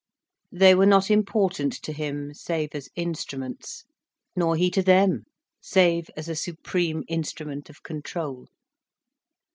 They were not important to him, save as instruments, nor he to them, save as a supreme instrument of control.